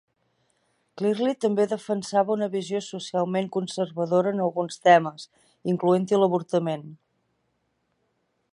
Clearly també defensava una visió socialment conservadora en alguns temes, incloent-hi l'avortament.